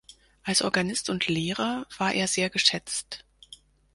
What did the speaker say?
Als Organist und Lehrer war er sehr geschätzt.